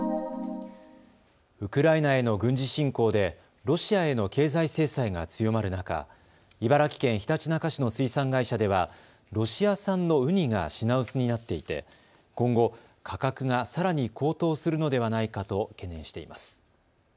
ウクライナへの軍事侵攻でロシアへの経済制裁が強まる中、茨城県ひたちなか市の水産会社ではロシア産のウニが品薄になっていて今後、価格がさらに高騰するのではないかと懸念しています。